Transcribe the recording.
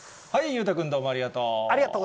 裕太君、どうもありがとう。